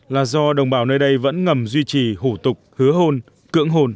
là do đồng bào nơi đây vẫn ngầm duy trì hủ tục hứa hôn cưỡng hôn